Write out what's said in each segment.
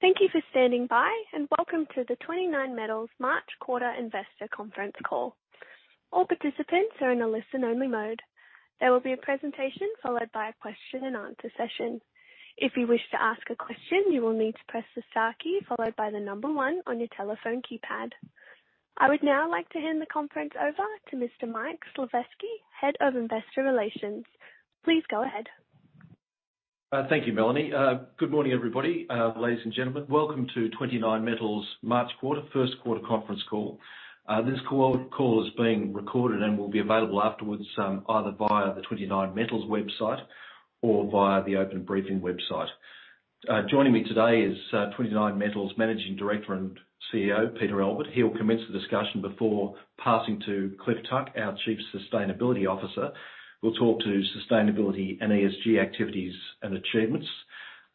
Thank you for standing by, and welcome to the 29Metals March Quarter Investor Conference Call. All participants are in a listen-only mode. There will be a presentation followed by a question-and-answer session. If you wish to ask a question, you will need to press the star key followed by the number one on your telephone keypad. I would now like to hand the conference over to Mr. Michael Slifirski, head of investor relations. Please go ahead. Thank you, Madeline. Good morning, everybody. Ladies and gentlemen, welcome to 29Metals' March quarter first quarter conference call. This call is being recorded and will be available afterwards, either via the 29Metals website or via the Open Briefing website. Joining me today is 29Metals' Managing Director and CEO, Peter Albert. He'll commence the discussion before passing to Cliff Tuck, our Chief Sustainability Officer, who'll talk to sustainability and ESG activities and achievements.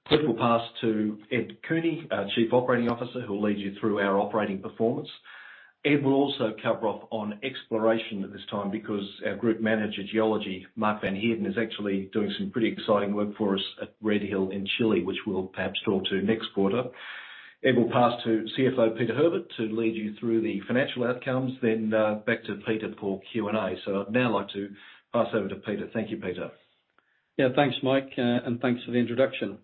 Cliff will pass to Ed Cooney, our Chief Operating Officer, who will lead you through our operating performance. Ed will also cover off on exploration at this time because our Group Manager, Geology, Mark van Heerden, is actually doing some pretty exciting work for us at Redhill in Chile, which we'll perhaps talk to next quarter. Ed will pass to CFO Peter Herbert to lead you through the financial outcomes, then back to Peter for Q&A. I'd now like to pass over to Peter. Thank you, Peter. Yeah. Thanks, Mike, and thanks for the introduction.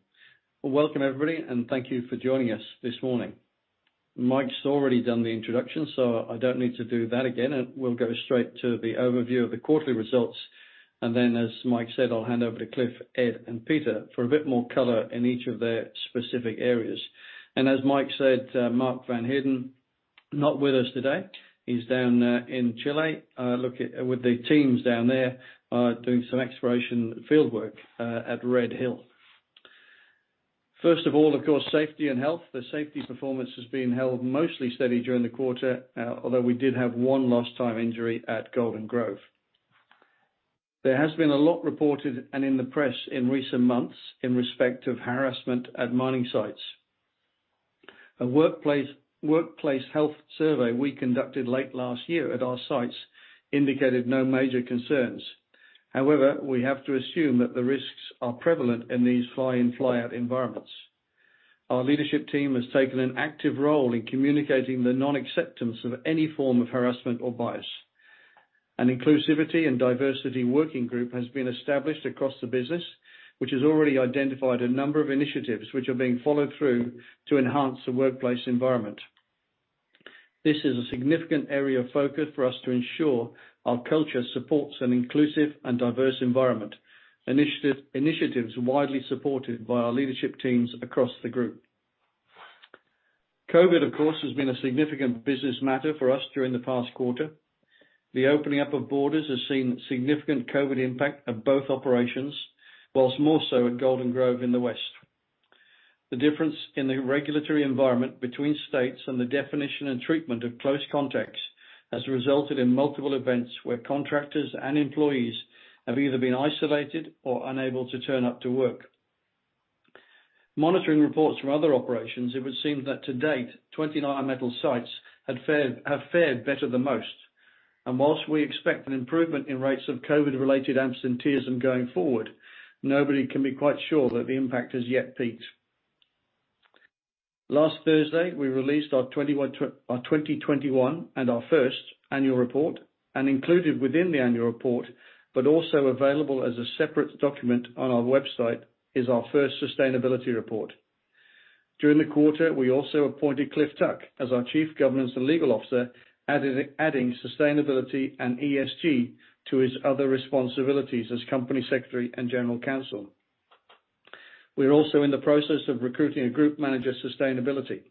Well, welcome everybody, and thank you for joining us this morning. Mike's already done the introduction, so I don't need to do that again, and we'll go straight to the overview of the quarterly results. Then, as Mike said, I'll hand over to Cliff, Ed, and Peter for a bit more color in each of their specific areas. As Mike said, Mark van Heerden, not with us today. He's down in Chile with the teams down there doing some exploration field work at Redhill. First of all, of course, safety and health. The safety performance has been held mostly steady during the quarter, although we did have one lost time injury at Golden Grove. There has been a lot reported and in the press in recent months in respect of harassment at mining sites. A workplace health survey we conducted late last year at our sites indicated no major concerns. However, we have to assume that the risks are prevalent in these fly-in, fly-out environments. Our leadership team has taken an active role in communicating the non-acceptance of any form of harassment or bias. An inclusivity and diversity working group has been established across the business, which has already identified a number of initiatives which are being followed through to enhance the workplace environment. This is a significant area of focus for us to ensure our culture supports an inclusive and diverse environment. Initiatives are widely supported by our leadership teams across the group. COVID, of course, has been a significant business matter for us during the past quarter. The opening up of borders has seen significant COVID impact of both operations, while more so at Golden Grove in the West. The difference in the regulatory environment between states and the definition and treatment of close contacts has resulted in multiple events where contractors and employees have either been isolated or unable to turn up to work. Monitoring reports from other operations, it would seem that to date, 29Metals sites have fared better than most. While we expect an improvement in rates of COVID-related absenteeism going forward, nobody can be quite sure that the impact has yet peaked. Last Thursday, we released our 2021 annual report, and included within the annual report, but also available as a separate document on our website, is our first sustainability report. During the quarter, we also appointed Clifford Tuck as our Chief Governance and Legal Officer, adding sustainability and ESG to his other responsibilities as company secretary and general counsel. We're also in the process of recruiting a Group Manager, Sustainability.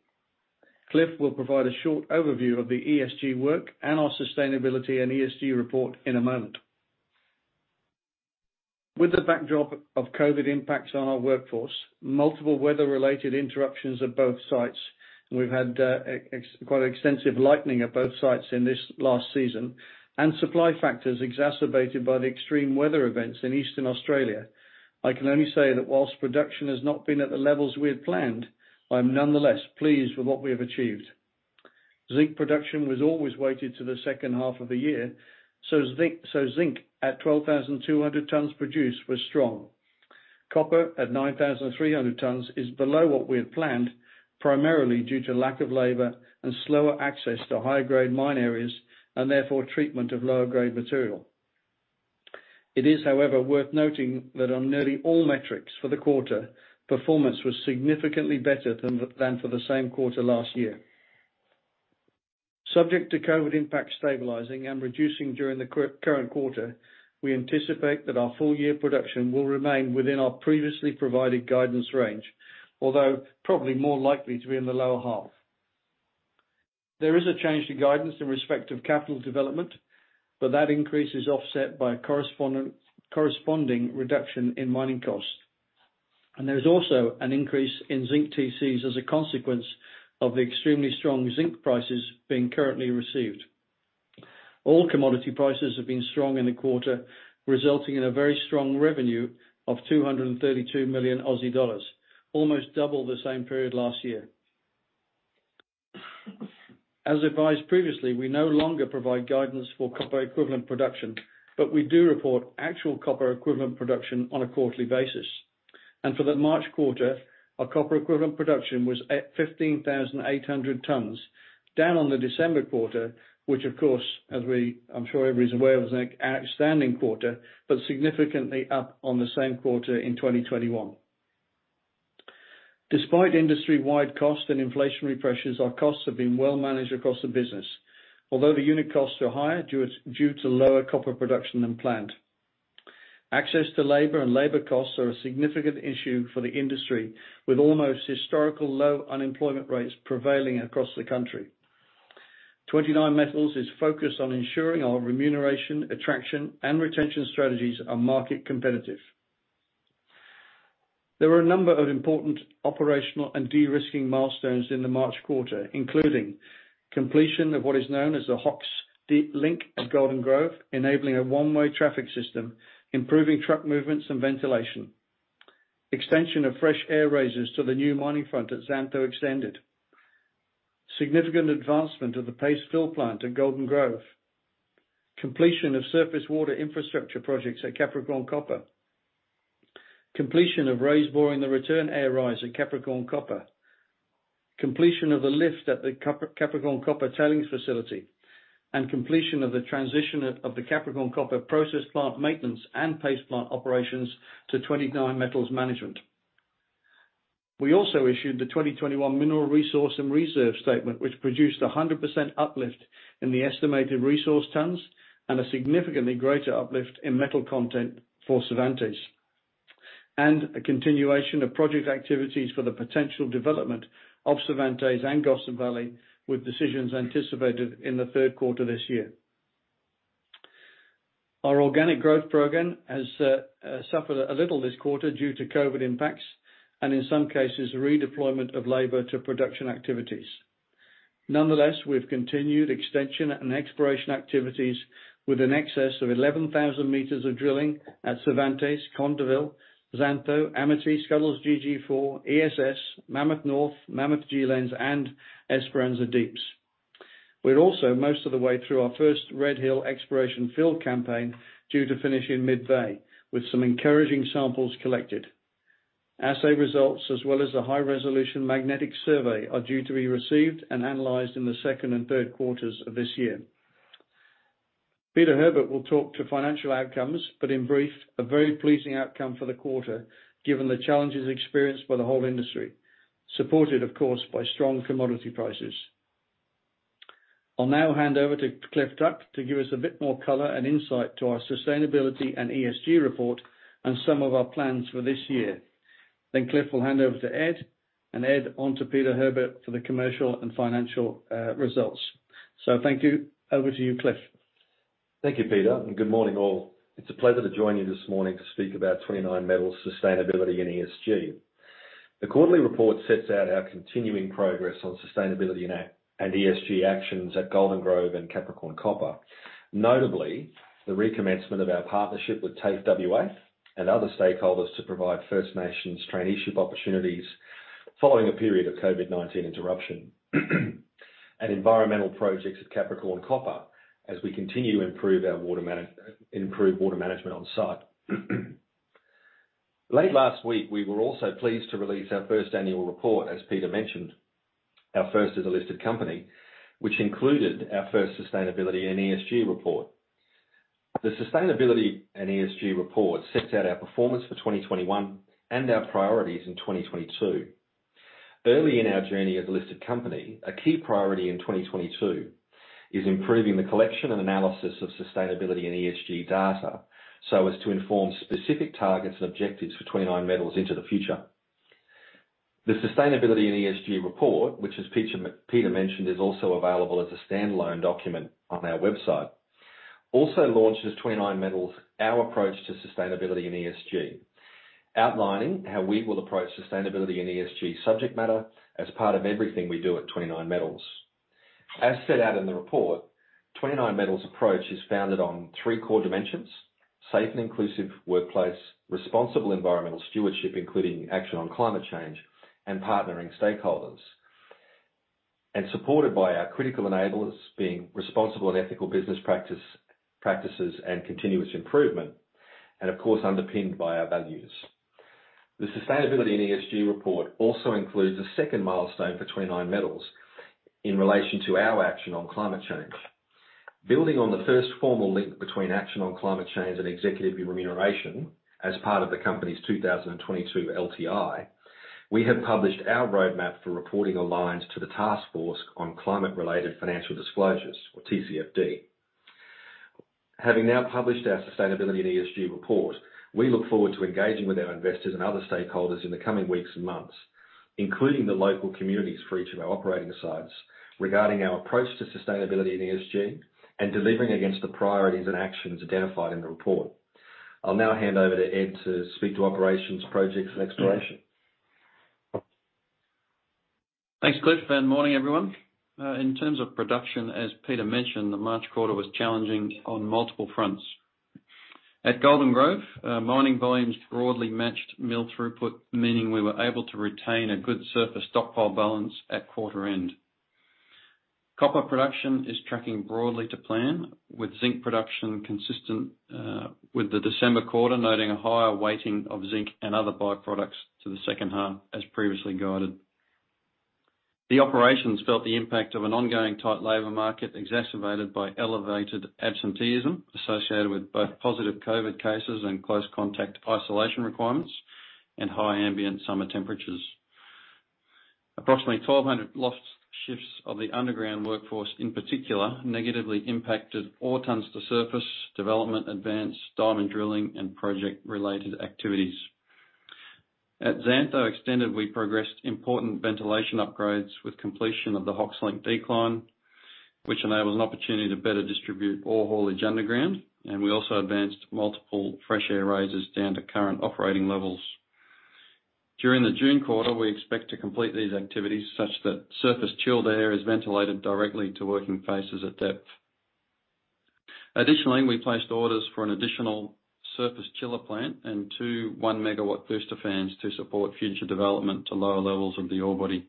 Cliff will provide a short overview of the ESG work and our sustainability and ESG report in a moment. With the backdrop of COVID impacts on our workforce, multiple weather-related interruptions at both sites, we've had quite extensive lightning at both sites in this last season and supply factors exacerbated by the extreme weather events in Eastern Australia. I can only say that while production has not been at the levels we had planned, I'm nonetheless pleased with what we have achieved. Zinc production was always weighted to the second half of the year. Zinc at 12,200 tons produced was strong. Copper at 9,300 tons is below what we had planned, primarily due to lack of labor and slower access to high grade mine areas, and therefore treatment of lower grade material. It is, however, worth noting that on nearly all metrics for the quarter, performance was significantly better than for the same quarter last year. Subject to COVID impact stabilizing and reducing during the current quarter, we anticipate that our full-year production will remain within our previously provided guidance range, although probably more likely to be in the lower half. There is a change to guidance in respect of capital development, but that increase is offset by a corresponding reduction in mining costs. There is also an increase in zinc TCs as a consequence of the extremely strong zinc prices being currently received. All commodity prices have been strong in the quarter, resulting in a very strong revenue of 232 million Aussie dollars, almost double the same period last year. As advised previously, we no longer provide guidance for copper equivalent production, but we do report actual copper equivalent production on a quarterly basis. For the March quarter, our copper equivalent production was at 15,800 tons, down on the December quarter, which of course, I'm sure everybody's aware, was an outstanding quarter, but significantly up on the same quarter in 2021. Despite industry-wide cost and inflationary pressures, our costs have been well managed across the business. Although the unit costs are higher due to lower copper production than planned. Access to labor and labor costs are a significant issue for the industry, with almost historical low unemployment rates prevailing across the country. 29Metals is focused on ensuring our remuneration, attraction, and retention strategies are market competitive. There were a number of important operational and de-risking milestones in the March quarter, including completion of what is known as the Hox Deep Link at Golden Grove, enabling a one-way traffic system, improving truck movements and ventilation. Extension of fresh air raises to the new mining front at Xantho Extended. Significant advancement of the paste fill plant at Golden Grove. Completion of surface water infrastructure projects at Capricorn Copper. Completion of raise boring the return air rise at Capricorn Copper. Completion of the lift at the Capricorn Copper tailings facility. Completion of the transition of the Capricorn Copper process plant maintenance and paste plant operations to 29Metals management. We also issued the 2021 mineral resource and reserve statement, which produced a 100% uplift in the estimated resource tons and a significantly greater uplift in metal content for Cervantes. A continuation of project activities for the potential development of Cervantes and Gossan Valley, with decisions anticipated in the third quarter this year. Our organic growth program has suffered a little this quarter due to COVID impacts and, in some cases, the redeployment of labor to production activities. Nonetheless, we've continued extension and exploration activities with an excess of 11,000 meters of drilling at Cervantes, Conteville, Xantho, Amity, Scuddles GG4, ESS, Mammoth North, Mammoth G-Lens, and Esperanza Deeps. We're also most of the way through our first Redhill exploration field campaign, due to finish in mid-May, with some encouraging samples collected. Assay results, as well as the high-resolution magnetic survey, are due to be received and analyzed in the second and third quarters of this year. Peter Herbert will talk to financial outcomes, but in brief, a very pleasing outcome for the quarter, given the challenges experienced by the whole industry, supported, of course, by strong commodity prices. I'll now hand over to Clifford Tuck to give us a bit more color and insight to our sustainability and ESG report and some of our plans for this year. Then Cliff will hand over to Ed, and Ed on to Peter Herbert for the commercial and financial results. Thank you. Over to you, Cliff. Thank you, Peter, and good morning, all. It's a pleasure to join you this morning to speak about 29Metals sustainability and ESG. The quarterly report sets out our continuing progress on sustainability and ESG actions at Golden Grove and Capricorn Copper. Notably, the recommencement of our partnership with TAFE WA and other stakeholders to provide First Nations traineeship opportunities following a period of COVID-19 interruption, and environmental projects at Capricorn Copper as we continue to improve water management on-site. Late last week, we were also pleased to release our first annual report, as Peter mentioned, our first as a listed company, which included our first sustainability and ESG report. The sustainability and ESG report sets out our performance for 2021 and our priorities in 2022. Early in our journey as a listed company, a key priority in 2022 is improving the collection and analysis of sustainability and ESG data, so as to inform specific targets and objectives for 29Metals into the future. The sustainability and ESG report, which as Peter mentioned, is also available as a standalone document on our website, also launches 29Metals our approach to sustainability and ESG, outlining how we will approach sustainability and ESG subject matter as part of everything we do at 29Metals. As set out in the report, 29Metals approach is founded on three core dimensions: safe and inclusive workplace, responsible environmental stewardship, including action on climate change, and partnering stakeholders. Supported by our critical enablers being responsible and ethical business practice and continuous improvement, and of course, underpinned by our values. The sustainability and ESG report also includes a second milestone for 29Metals in relation to our action on climate change. Building on the first formal link between action on climate change and executive remuneration as part of the company's 2022 LTI, we have published our roadmap for reporting aligns to the task force on climate-related financial disclosures or TCFD. Having now published our sustainability and ESG report, we look forward to engaging with our investors and other stakeholders in the coming weeks and months, including the local communities for each of our operating sites, regarding our approach to sustainability and ESG and delivering against the priorities and actions identified in the report. I'll now hand over to Ed to speak to operations, projects and exploration. Thanks, Cliff, and good morning, everyone. In terms of production, as Peter mentioned, the March quarter was challenging on multiple fronts. At Golden Grove, mining volumes broadly matched mill throughput, meaning we were able to retain a good surface stockpile balance at quarter end. Copper production is tracking broadly to plan with zinc production consistent with the December quarter, noting a higher weighting of zinc and other by-products to the second half as previously guided. The operations felt the impact of an ongoing tight labor market exacerbated by elevated absenteeism associated with both positive COVID cases and close contact isolation requirements and high ambient summer temperatures. Approximately 1,200 lost shifts of the underground workforce, in particular, negatively impacted ore tons to surface, development advance, diamond drilling, and project-related activities. At Xantho Extended, we progressed important ventilation upgrades with completion of the Hox Link decline, which enables an opportunity to better distribute ore haulage underground. We also advanced multiple fresh air raises down to current operating levels. During the June quarter, we expect to complete these activities such that surface chilled air is ventilated directly to working faces at depth. Additionally, we placed orders for an additional surface chiller plant and two one-MW booster fans to support future development to lower levels of the ore body.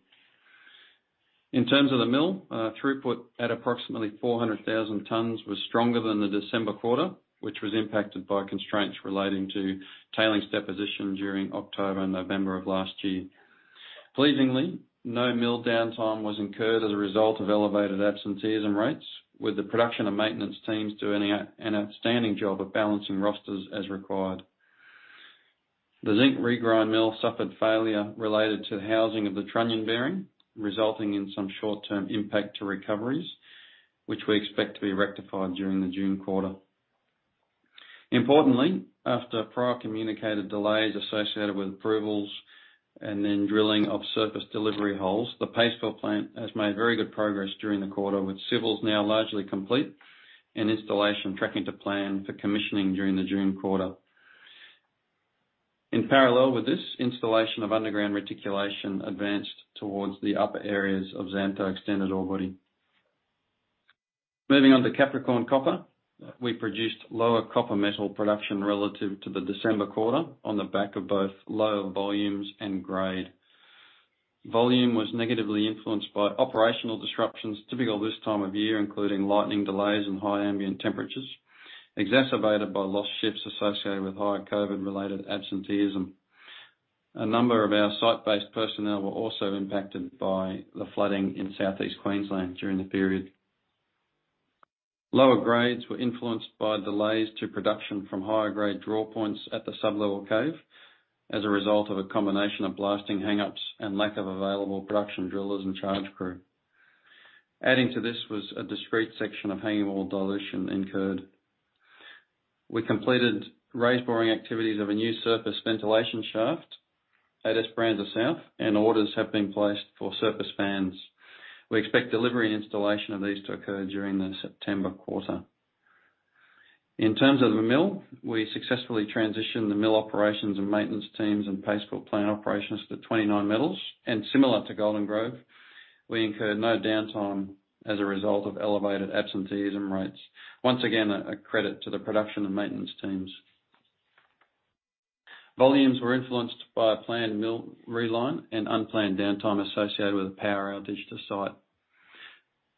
In terms of the mill, throughput at approximately 400,000 tons was stronger than the December quarter, which was impacted by constraints relating to tailings deposition during October and November of last year. Pleasingly, no mill downtime was incurred as a result of elevated absenteeism rates with the production and maintenance teams doing an outstanding job of balancing rosters as required. The zinc regrind mill suffered failure related to the housing of the trunnion bearing, resulting in some short-term impact to recoveries, which we expect to be rectified during the June quarter. Importantly, after prior communicated delays associated with approvals and then drilling of surface delivery holes, the paste fill plant has made very good progress during the quarter with civils now largely complete and installation tracking to plan for commissioning during the June quarter. In parallel with this, installation of underground reticulation advanced towards the upper areas of Xantho Extended ore body. Moving on to Capricorn Copper. We produced lower copper metal production relative to the December quarter on the back of both lower volumes and grade. Volume was negatively influenced by operational disruptions typical this time of year, including lightning delays and high ambient temperatures, exacerbated by lost shifts associated with high COVID-related absenteeism. A number of our site-based personnel were also impacted by the flooding in Southeast Queensland during the period. Lower grades were influenced by delays to production from higher grade draw points at the sublevel cave as a result of a combination of blasting hang-ups and lack of available production drillers and charge crew. Adding to this was a discrete section of hanging wall dilution incurred. We completed raise boring activities of a new surface ventilation shaft at Esperanza South, and orders have been placed for surface fans. We expect delivery and installation of these to occur during the September quarter. In terms of the mill, we successfully transitioned the mill operations and maintenance teams and paste fill plant operations to 29Metals, and similar to Golden Grove, we incurred no downtime as a result of elevated absenteeism rates. Once again, a credit to the production and maintenance teams. Volumes were influenced by a planned mill realign and unplanned downtime associated with a power outage to site.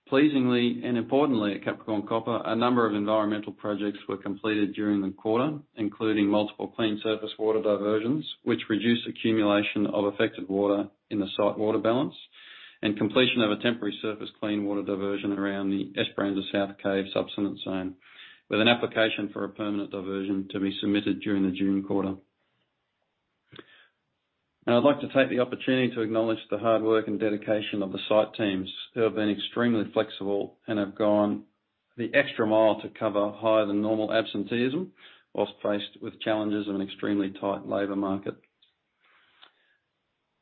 Pleasingly and importantly at Capricorn Copper, a number of environmental projects were completed during the quarter, including multiple clean surface water diversions, which reduce accumulation of affected water in the site water balance, and completion of a temporary surface clean water diversion around the Esperanza South cave subsidence zone. With an application for a permanent diversion to be submitted during the June quarter. Now I'd like to take the opportunity to acknowledge the hard work and dedication of the site teams, who have been extremely flexible and have gone the extra mile to cover higher than normal absenteeism whilst faced with challenges of an extremely tight labor market.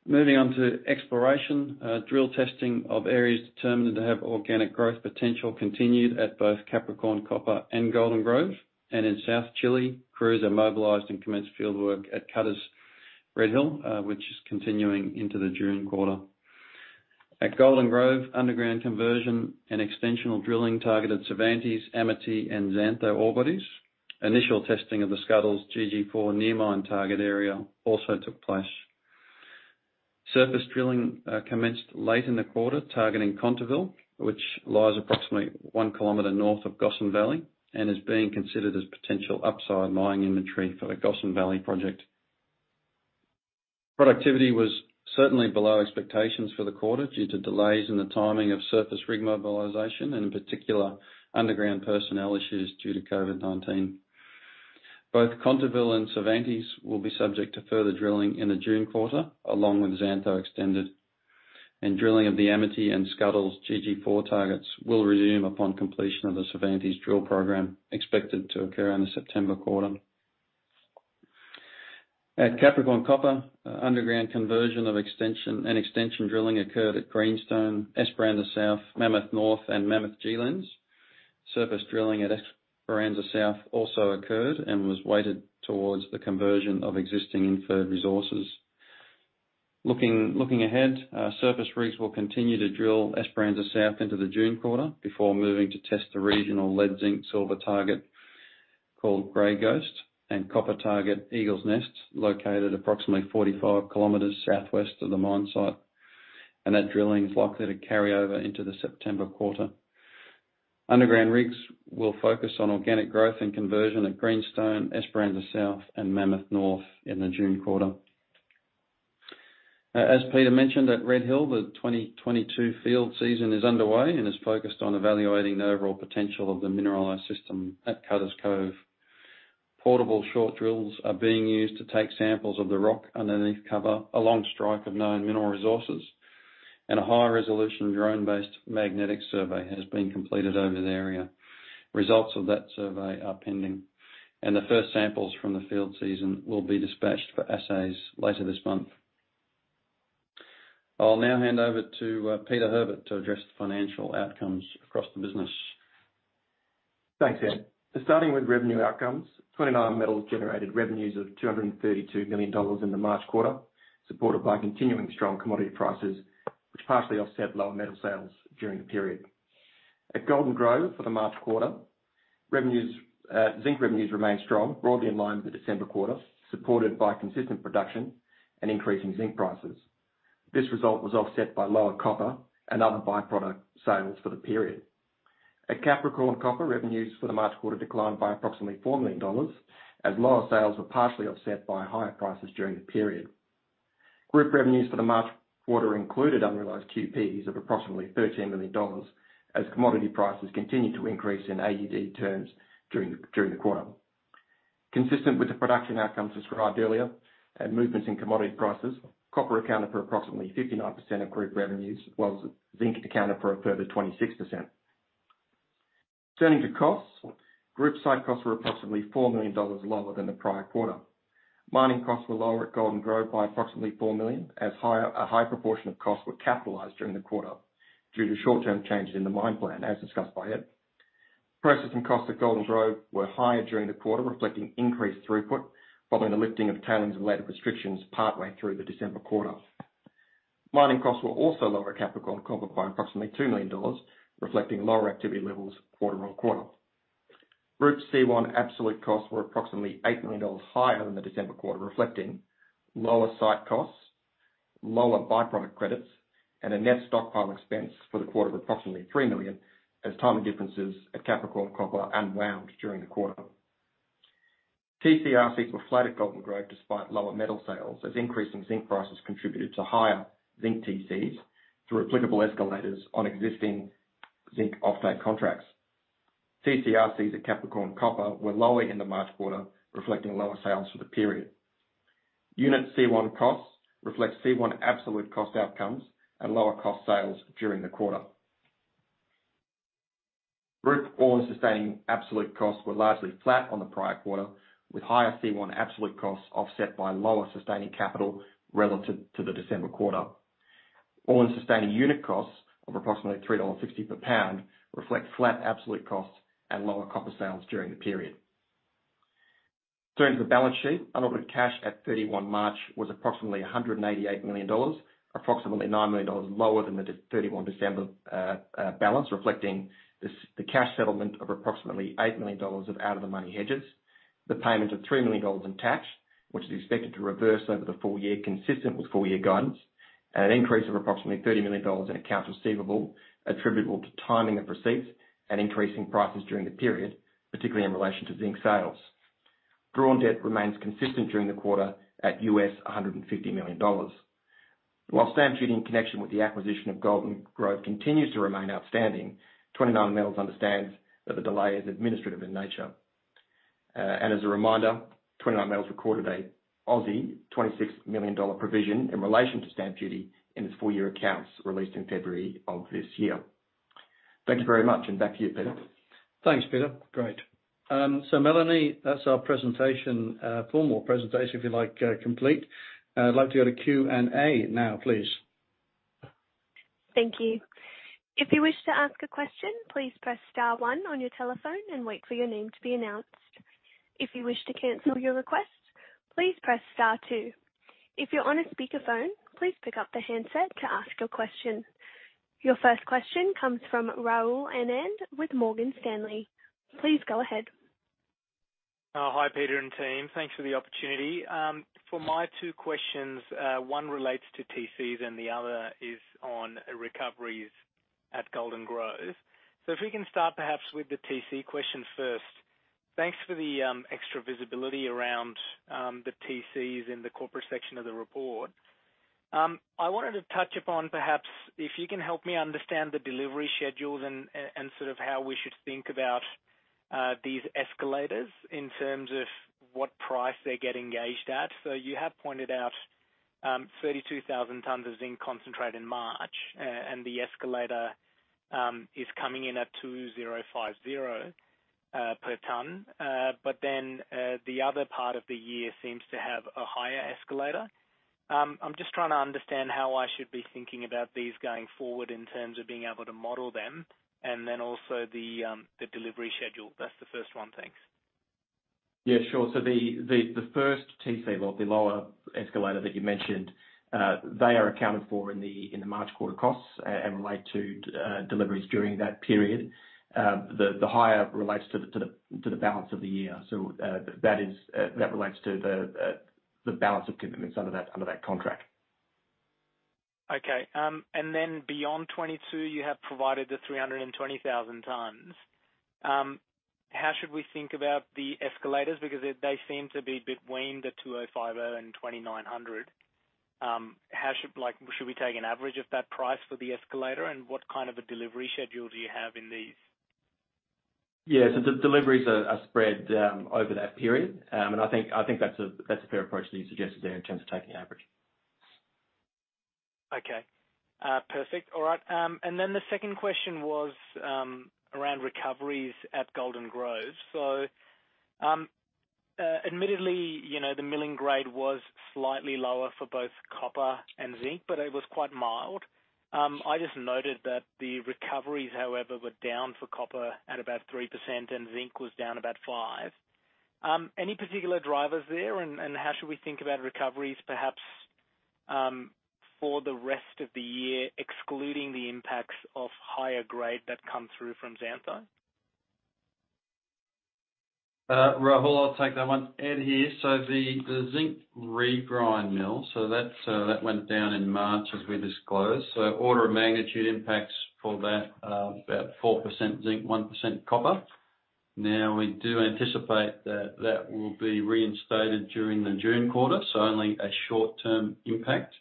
Moving on to exploration. Drill testing of areas determined to have organic growth potential continued at both Capricorn Copper and Golden Grove. In South Chile, crews are mobilized and commenced field work at Cutter's Redhill, which is continuing into the June quarter. At Golden Grove, underground conversion and extensional drilling targeted Cervantes, Amity, and Xantho ore bodies. Initial testing of the Scuddles GG4 near mine target area also took place. Surface drilling commenced late in the quarter, targeting Conteville, which lies approximately one km north of Gossan Valley and is being considered as potential upside mining inventory for the Gossan Valley project. Productivity was certainly below expectations for the quarter due to delays in the timing of surface rig mobilization and in particular, underground personnel issues due to COVID-19. Both Conteville and Cervantes will be subject to further drilling in the June quarter, along with Xantho Extended. Drilling of the Amity and Scuddles GG4 targets will resume upon completion of the Cervantes drill program, expected to occur in the September quarter. At Capricorn Copper, underground conversion and extension drilling occurred at Greenstone, Esperanza South, Mammoth North, and Mammoth G-Lens. Surface drilling at Esperanza South also occurred and was weighted towards the conversion of existing inferred resources. Looking ahead, our surface rigs will continue to drill Esperanza South into the June quarter before moving to test the regional lead zinc silver target called Grey Ghost and copper target Eagle's Nest, located approximately 45 km southwest of the mine site. That drilling is likely to carry over into the September quarter. Underground rigs will focus on organic growth and conversion at Greenstone, Esperanza South, and Mammoth North in the June quarter. As Peter mentioned at Redhill, the 2022 field season is underway and is focused on evaluating the overall potential of the mineralized system at Cutters Cove. Portable short drills are being used to take samples of the rock underneath cover, a long strike of known mineral resources, and a high-resolution drone-based magnetic survey has been completed over the area. Results of that survey are pending, and the first samples from the field season will be dispatched for assays later this month. I'll now hand over to Peter Herbert to address the financial outcomes across the business. Thanks, Ed. Starting with revenue outcomes, 29Metals generated revenues of 232 million dollars in the March quarter, supported by continuing strong commodity prices which partially offset lower metal sales during the period. At Golden Grove for the March quarter, revenues, zinc revenues remained strong, broadly in line with the December quarter, supported by consistent production and increasing zinc prices. This result was offset by lower copper and other by-product sales for the period. At Capricorn Copper, revenues for the March quarter declined by approximately 4 million dollars as lower sales were partially offset by higher prices during the period. Group revenues for the March quarter included unrealized QPEs of approximately 13 million dollars as commodity prices continued to increase in AUD terms during the quarter. Consistent with the production outcomes described earlier and movements in commodity prices, copper accounted for approximately 59% of group revenues, while zinc accounted for a further 26%. Turning to costs, group site costs were approximately 4 million dollars lower than the prior quarter. Mining costs were lower at Golden Grove by approximately 4 million, as a high proportion of costs were capitalized during the quarter due to short-term changes in the mine plan, as discussed by Ed. Processing costs at Golden Grove were higher during the quarter, reflecting increased throughput following the lifting of tailings related restrictions partway through the December quarter. Mining costs were also lower at Capricorn Copper by approximately 2 million dollars, reflecting lower activity levels quarter-over-quarter. Group C1 absolute costs were approximately 8 million dollars higher than the December quarter, reflecting lower site costs, lower by-product credits, and a net stockpile expense for the quarter of approximately 3 million as timing differences at Capricorn Copper unwound during the quarter. TCRCs were flat at Golden Grove despite lower metal sales, as increasing zinc prices contributed to higher zinc TCs through applicable escalators on existing zinc offtake contracts. TCRCs at Capricorn Copper were lower in the March quarter, reflecting lower sales for the period. Unit C1 costs reflect C1 absolute cost outcomes and lower cost sales during the quarter. Group all-in sustaining absolute costs were largely flat on the prior quarter, with higher C1 absolute costs offset by lower sustaining capital relative to the December quarter. All-in sustaining unit costs of approximately $3.60 per pound reflect flat absolute costs and lower copper sales during the period. Turning to the balance sheet, unaudited cash at March 31 was approximately 188 million dollars, approximately 9 million dollars lower than the December 31 balance, reflecting this, the cash settlement of approximately 8 million dollars of out of the money hedges, the payment of 3 million dollars in tax, which is expected to reverse over the full year, consistent with full year guidance. An increase of approximately 30 million dollars in accounts receivable attributable to timing of receipts and increasing prices during the period, particularly in relation to zinc sales. Drawn debt remains consistent during the quarter at $150 million. While stamp duty in connection with the acquisition of Golden Grove continues to remain outstanding, 29Metals understands that the delay is administrative in nature. As a reminder, 29Metals recorded a 26 million Aussie dollars provision in relation to stamp duty in its full year accounts released in February of this year. Thank you very much and back to you, Peter. Thanks, Peter. Great. Melanie, that's our presentation, formal presentation if you like, complete. I'd like to go to Q&A now, please. Thank you. If you wish to ask a question, please press star one on your telephone and wait for your name to be announced. If you wish to cancel your request, please press star two. If you're on a speakerphone, please pick up the handset to ask your question. Your first question comes from Rahul Anand with Morgan Stanley. Please go ahead. Hi, Peter and team. Thanks for the opportunity. For my two questions, one relates to TCs and the other is on recoveries at Golden Grove. If we can start perhaps with the TC question first. Thanks for the extra visibility around the TCs in the corporate section of the report. I wanted to touch upon, perhaps if you can help me understand the delivery schedules and sort of how we should think about these escalators in terms of what price they get engaged at. You have pointed out 32,000 tons of zinc concentrate in March. The escalator is coming in at 2,050 per ton. But then, the other part of the year seems to have a higher escalator. I'm just trying to understand how I should be thinking about these going forward in terms of being able to model them and then also the delivery schedule. That's the first one. Thanks. Yeah, sure. The first TC lot, the lower escalator that you mentioned, they are accounted for in the March quarter costs and relate to deliveries during that period. The higher relates to the balance of the year. That relates to the balance of commitments under that contract. Okay. Then beyond 2022, you have provided the 320,000 tons. How should we think about the escalators? Because they seem to be between the 2,050-2,900. Like, should we take an average of that price for the escalator? What kind of a delivery schedule do you have in these? Yeah. The deliveries are spread over that period. I think that's a fair approach that you suggested there in terms of taking average. Okay. Perfect. All right. Then the second question was around recoveries at Golden Grove. Admittedly, you know, the milling grade was slightly lower for both copper and zinc, but it was quite mild. I just noted that the recoveries, however, were down for copper at about 3% and zinc was down about 5%. Any particular drivers there? And how should we think about recoveries, perhaps, for the rest of the year, excluding the impacts of higher grade that come through from Xantho? Rahul, I'll take that one. Ed here. The zinc regrind mill that went down in March as we disclosed. Order of magnitude impacts for that, about 4% zinc, 1% copper. Now, we do anticipate that will be reinstated during the June quarter, so only a short-term impact.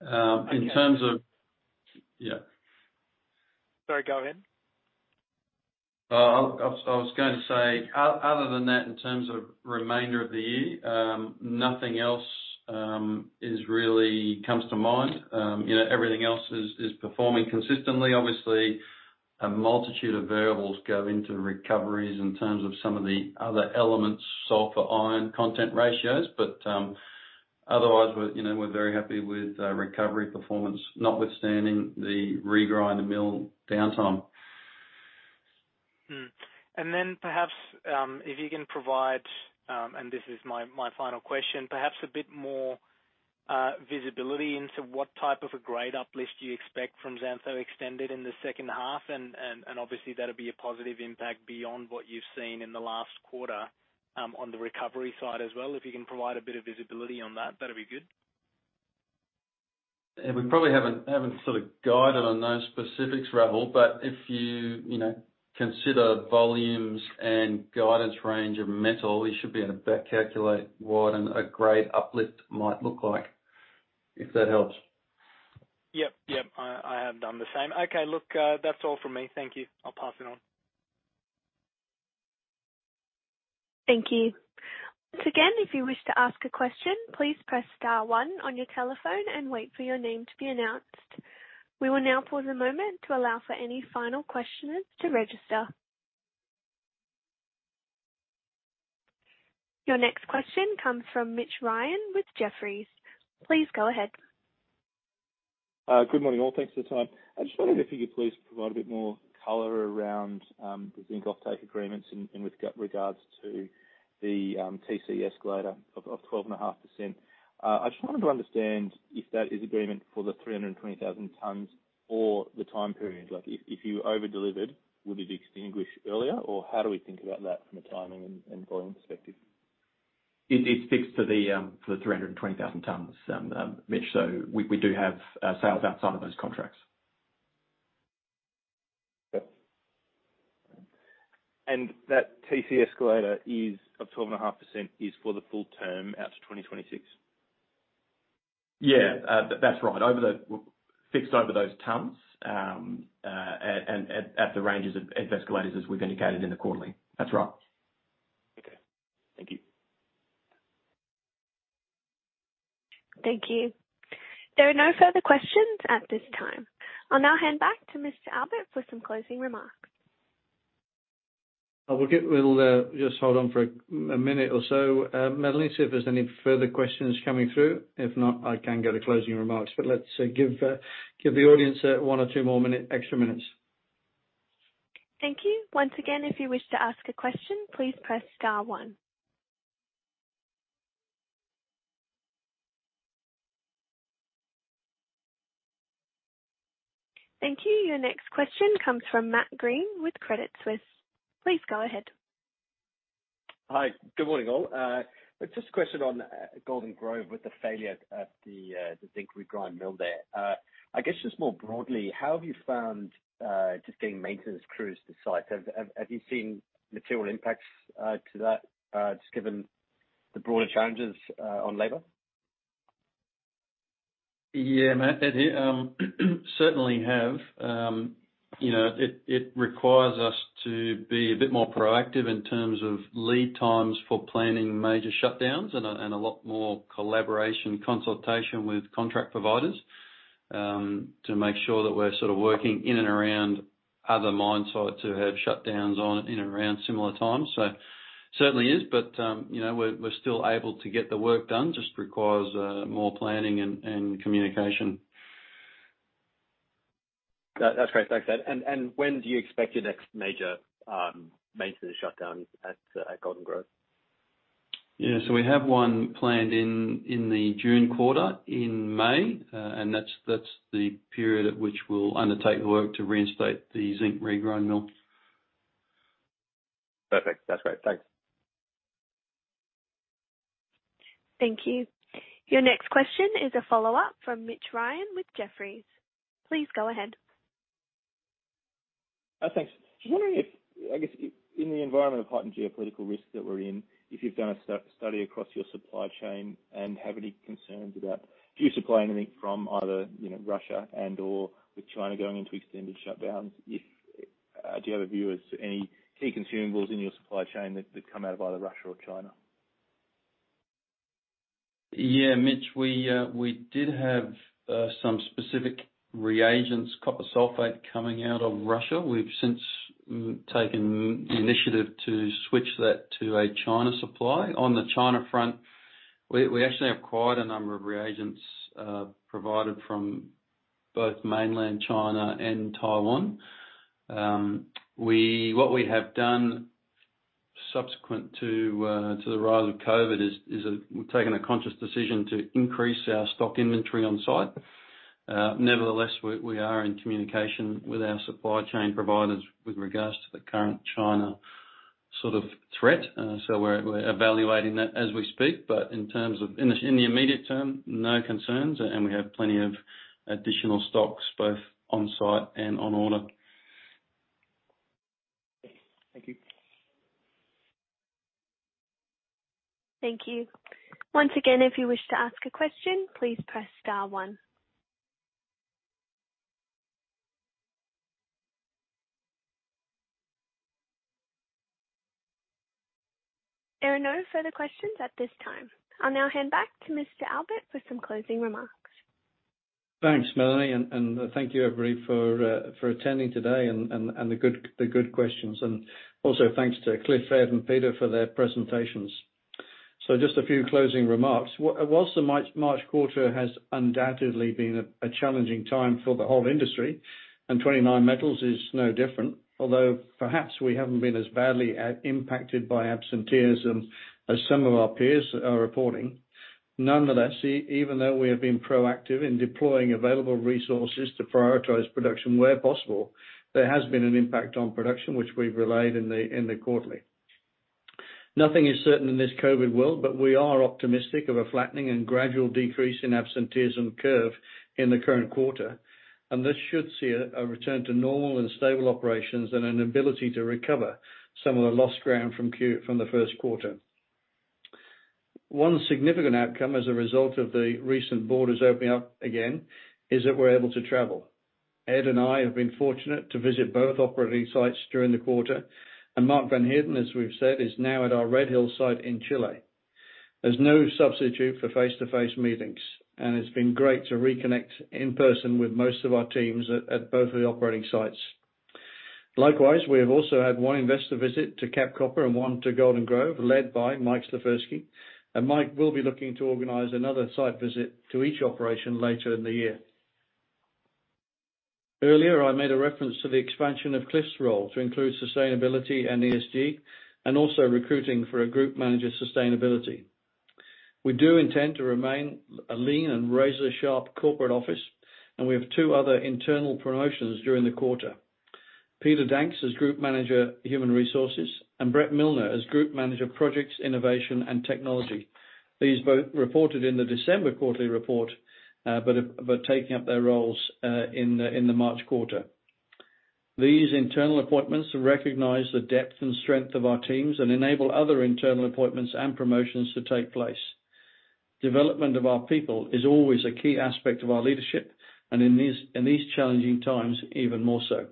In terms of Okay. Yeah. Sorry, go ahead. I was going to say, other than that, in terms of remainder of the year, nothing else is really coming to mind. You know, everything else is performing consistently. Obviously, a multitude of variables go into recoveries in terms of some of the other elements, sulfur, iron content ratios. Otherwise we're very happy with recovery performance, notwithstanding the regrind mill downtime. Perhaps if you can provide and this is my final question, perhaps a bit more visibility into what type of a grade uplift you expect from Xantho Extended in the second half. Obviously that'll be a positive impact beyond what you've seen in the last quarter on the recovery side as well. If you can provide a bit of visibility on that'd be good. Yeah. We probably haven't sort of guided on those specifics, Rahul. If you know, consider volumes and guidance range of metal, you should be able to back calculate what a grade uplift might look like, if that helps. Yep. I have done the same. Okay, look, that's all from me. Thank you. I'll pass it on. Thank you. Once again, if you wish to ask a question, please press star one on your telephone and wait for your name to be announced. We will now pause a moment to allow for any final questions to register. Your next question comes from Mitch Ryan with Jefferies. Please go ahead. Good morning, all. Thanks for the time. I was wondering if you could please provide a bit more color around the zinc offtake agreements with regards to the TC escalator of 12.5%. I just wanted to understand if that is agreement for the 320,000 tonnes or the time period. Like if you over-delivered, would it extinguish earlier? Or how do we think about that from a timing and volume perspective? It is fixed to the 320,000 tonnes, Mitch. We do have sales outside of those contracts. Yep. That TC escalator is of 12.5%, is for the full term out to 2026? Yeah. That's right. Fixed over those tons at the ranges of escalators as we've indicated in the quarterly. That's right. Okay. Thank you. Thank you. There are no further questions at this time. I'll now hand back to Mr. Albert for some closing remarks. We'll just hold on for a minute or so, Melanie, to see if there's any further questions coming through. If not, I can go to closing remarks. Let's give the audience one or two more minute, extra minutes. Thank you. Once again, if you wish to ask a question, please press star one. Thank you. Your next question comes from Matt Greene with Credit Suisse. Please go ahead. Hi. Good morning, all. Just a question on Golden Grove with the failure at the zinc regrind mill there. I guess just more broadly, how have you found just getting maintenance crews to site? Have you seen material impacts to that just given the broader challenges on labor? Yeah, Matt. It certainly have. You know, it requires us to be a bit more proactive in terms of lead times for planning major shutdowns and a lot more collaboration consultation with contract providers, to make sure that we're sort of working in and around other mine sites who have shutdowns on and around similar times. Certainly is, but you know, we're still able to get the work done, just requires more planning and communication. That's great. Thanks, Ed. When do you expect your next major maintenance shutdown at Golden Grove? Yeah. We have one planned in the June quarter, in May. That's the period at which we'll undertake the work to reinstate the zinc regrind mill. Perfect. That's great. Thanks. Thank you. Your next question is a follow-up from Mitch Ryan with Jefferies. Please go ahead. Thanks. Just wondering if, I guess in the environment of heightened geopolitical risk that we're in, if you've done a study across your supply chain and have any concerns about do you supply anything from either, you know, Russia and/or with China going into extended shutdowns, if do you have a view as to any key consumables in your supply chain that come out of either Russia or China? Yeah, Mitch, we did have some specific reagents, copper sulfate, coming out of Russia. We've since taken the initiative to switch that to a China supply. On the China front, we actually have quite a number of reagents provided from both mainland China and Taiwan. What we have done subsequent to the rise of COVID is we've taken a conscious decision to increase our stock inventory on site. Nevertheless, we are in communication with our supply chain providers with regards to the current China sort of threat. We're evaluating that as we speak. In the immediate term, no concerns, and we have plenty of additional stocks both on site and on order. Thank you. Thank you. Once again, if you wish to ask a question, please press star one. There are no further questions at this time. I'll now hand back to Mr. Albert for some closing remarks. Thanks, Melanie. Thank you everybody for attending today and the good questions. Also thanks to Cliff, Ed and Peter for their presentations. Just a few closing remarks. While the March quarter has undoubtedly been a challenging time for the whole industry, and 29Metals is no different. Although, perhaps we haven't been as badly impacted by absenteeism as some of our peers are reporting. Nonetheless, even though we have been proactive in deploying available resources to prioritize production where possible, there has been an impact on production which we've relayed in the quarterly. Nothing is certain in this COVID world, but we are optimistic of a flattening and gradual decrease in absenteeism curve in the current quarter. This should see a return to normal and stable operations and an ability to recover some of the lost ground from the first quarter. One significant outcome as a result of the recent borders opening up again is that we're able to travel. Ed and I have been fortunate to visit both operating sites during the quarter, and Mark van Heerden, as we've said, is now at our Redhill site in Chile. There's no substitute for face-to-face meetings, and it's been great to reconnect in person with most of our teams at both of the operating sites. Likewise, we have also had one investor visit to Capricorn Copper and one to Golden Grove, led by Mike Slifirski. Mike will be looking to organize another site visit to each operation later in the year. Earlier, I made a reference to the expansion of Cliff's role to include sustainability and ESG and also recruiting for a group manager, sustainability. We do intend to remain a lean and razor-sharp corporate office, and we have two other internal promotions during the quarter: Peter Danks as Group Manager, Human Resources, and Brett Milner as Group Manager, Projects, Innovation and Technology. These both reported in the December quarterly report, but are taking up their roles in the March quarter. These internal appointments recognize the depth and strength of our teams and enable other internal appointments and promotions to take place. Development of our people is always a key aspect of our leadership, and in these challenging times, even more so.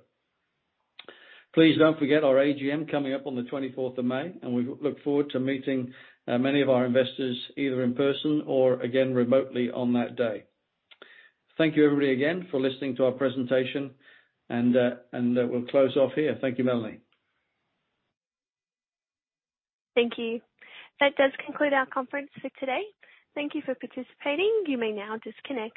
Please don't forget our AGM coming up on the 24th of May, and we look forward to meeting many of our investors, either in person or again, remotely on that day. Thank you, everybody again for listening to our presentation and we'll close off here. Thank you, Melanie. Thank you. That does conclude our conference for today. Thank you for participating. You may now disconnect.